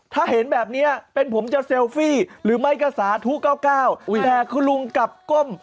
ถ้าเห็นแบบนี้เป็นผมจะเซลฟี่หรือไม่ก็สาธุ๙๙แต่คุณลุงกลับก้ม